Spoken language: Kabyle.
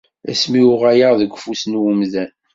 Asmi uɣaleɣ deg ufus n umdan.